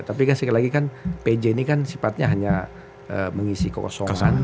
tapi kan sekali lagi kan pj ini kan sifatnya hanya mengisi kekosongan